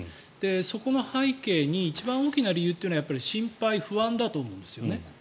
そこの背景に一番大きな理由というのはやっぱり心配、不安だと思うんですよね。